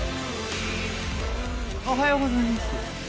おはようございます。